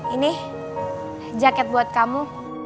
ini jaket buat kamu